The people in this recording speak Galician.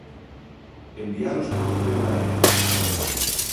Envialos por correo aéreo.